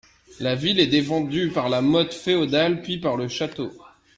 La ville est défendu par la motte féodale, puis par le château.